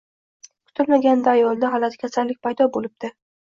Kutilmaganda ayolda g‘alati kasallik paydo bo‘libdi.